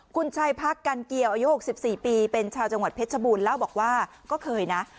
คุณชายพักกันเกี่ยวอายุ๖๔ปีเป็นชาวจังหวัดเพชรบูรณ์เล่าบอกว่าก็เคยนะ